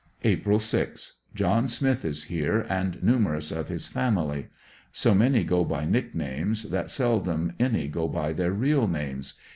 April 6 — John Smith is here and numerous of his family. So many go by nick names, that seldom any go by their real names.